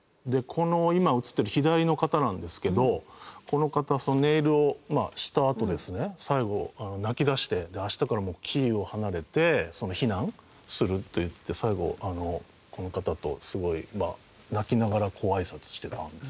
この今映ってる左の方なんですけどこの方ネイルをしたあとですね最後泣き出して明日からキーウを離れて避難すると言って最後この方とすごい泣きながらあいさつしてたんですよね。